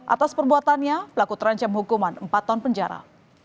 atas perbuatannya pelaku terancam hukuman empat tahun penjara